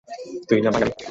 তুই না বাংগালী?